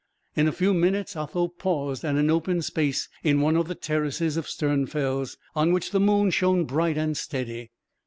In a few minutes Otho paused at an open space in one of the terraces of Sternfels, on which the moon shone bright and steady.